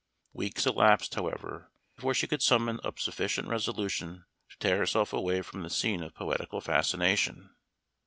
Weeks elapsed, however, before she could summon up sufficient resolution to tear herself away from the scene of poetical fascination.